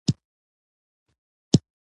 روښانه لمر د پوټکي لپاره ویټامین ډي تولیدوي.